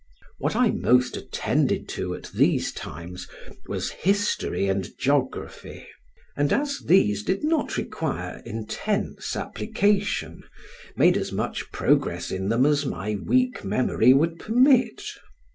What I most attended to at these times, was history and geography, and as these did not require intense application, made as much progress in them as my weak memory would permit.